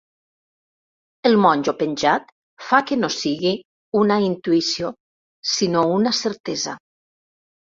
El monjo penjat fa que no sigui una intuïció, sinó una certesa.